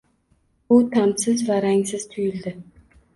U ta’msiz va rangsiz tuyuldi.